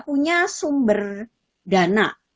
punya sumber dana